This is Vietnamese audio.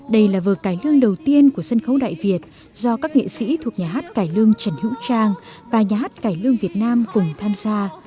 đây là vở cải lương đầu tiên của sân khấu đại việt do các nghệ sĩ thuộc nhà hát cải lương trần hữu trang và nhà hát cải lương việt nam cùng tham gia